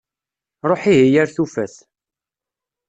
Ruḥ ihi ar-tufat.